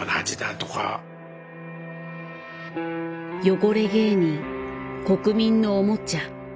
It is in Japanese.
「汚れ芸人」「国民のおもちゃ」。